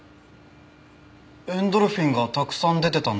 エンドルフィンがたくさん出てたんでしょ？